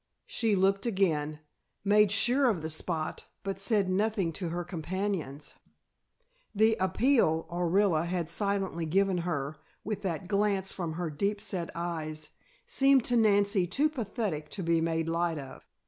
She looked again, made sure of the spot, but said nothing to her companions. The appeal Orilla had silently given her, with that glance from her deep set eyes, seemed to Nancy too pathetic to be made light of.